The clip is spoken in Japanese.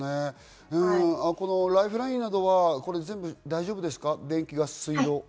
ライフラインなどは全部大丈夫ですか？